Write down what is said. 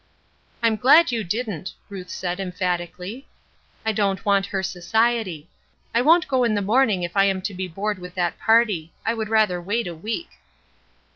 "I am glad you didn't," Ruth said, emphatically. "I don't want her society. I won't go in the morning if I am to be bored with that party; I would rather wait a week."